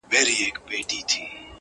د دنیا له هر قدرت سره په جنګ یو!!